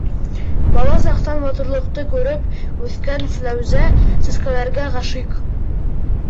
Бала саҡтан матурлыҡты күреп үҫкән Флүзә сәскәләргә ғашиҡ.